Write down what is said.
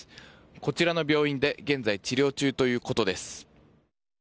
こちらの病院で現在治療中ということです。